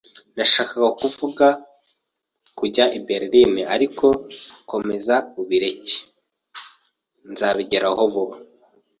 Nashakaga kuvuga kujya i Berlin, ariko komeza ubireke, I´ll nzabigeraho vuba.